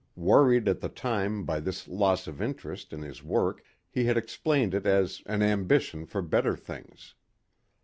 Worried at the time by this loss of interest in his work he had explained it as "an ambition for better things."